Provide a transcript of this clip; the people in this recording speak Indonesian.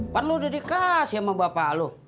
kan lo udah dikasih sama bapak lo